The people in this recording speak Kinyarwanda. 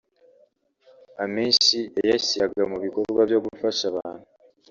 amenshi yayashyiraga mu bikorwa byo gufasha abantu